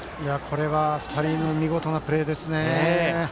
２人の見事なプレーですね。